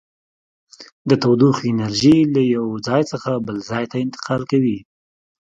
د تودوخې انرژي له یو ځای څخه بل ځای ته انتقال کوي.